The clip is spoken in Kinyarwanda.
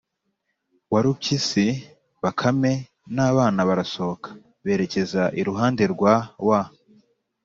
Warupyisi, Bakame, n’abana barasohoka, berekeza iruhande rwa wa